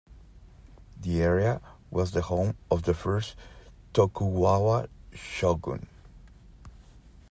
The area was the home of the first Tokugawa Shogun.